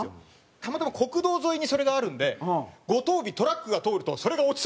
たまたま国道沿いにそれがあるんで五十日トラックが通るとそれが落ちそうになるんですよ。